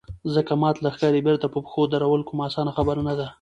ځکه مات لښکر يې بېرته په پښو درول کومه اسانه خبره نه ده.